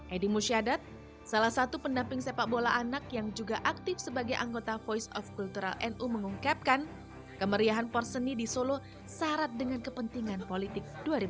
edi musyadat salah satu pendamping sepak bola anak yang juga aktif sebagai anggota voice of cultural nu mengungkapkan kemeriahan porseni di solo syarat dengan kepentingan politik dua ribu dua puluh